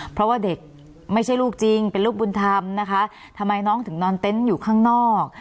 เพราะว่าเด็กไม่ใช่ลูกจริงเป็นลูกบุญธรรมนะคะทำไมน้องถึงนอนเต็นต์อยู่ข้างนอก